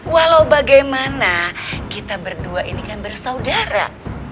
walau bagaimana kita berdua ini kan bersaudara